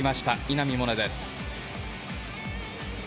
稲見萌寧です。